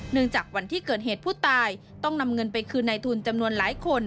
จากวันที่เกิดเหตุผู้ตายต้องนำเงินไปคืนในทุนจำนวนหลายคน